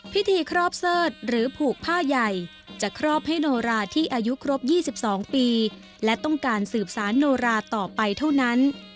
พิธีครอบเสิร์ธหรือผูกผ้าใหญ่จะครอบให้โนราที่อายุครบ๒๒ปีและต้องการสืบสารโนราต่อไปเท่านั้น